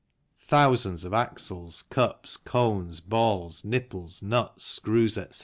Thousands of axles, cups, cones, balls, nipples, nuts, screws, etc.